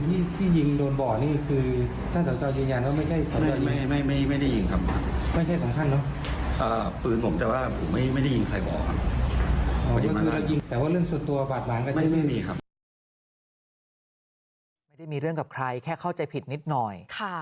ที่ทำให้เสียหายครับ